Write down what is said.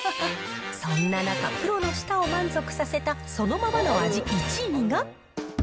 そんな中、プロの舌を満足させた、そのままの味１位が。